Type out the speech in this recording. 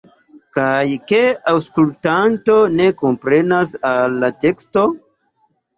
Kaj ke aŭskultanto ne komprenas al la teksto?